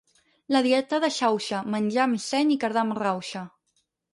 La dieta de Xauxa: menjar amb seny i cardar amb rauxa.